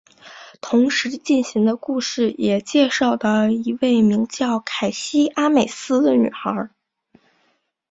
同时进行的故事也介绍的一位名叫凯西阿美斯的女孩。